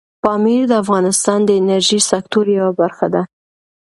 پامیر د افغانستان د انرژۍ سکتور یوه برخه ده.